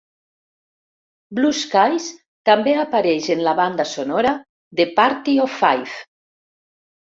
"Blue Skies" també apareix en la banda sonora de "Party of Five".